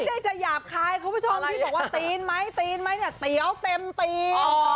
ไม่ใช่หยาบคายผู้ชมพี่บอกว่าสีเอ๋อใส้เต็มสี